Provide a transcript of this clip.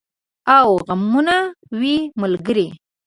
او غمونه وي ملګري